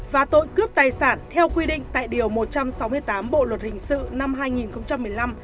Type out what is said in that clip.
và tội cướp tài sản theo quy định tại điều một trăm sáu mươi tám bộ luật hình sự năm hai nghìn một mươi năm